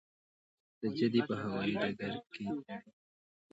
د جدې په هوايي ډګر کې تړي.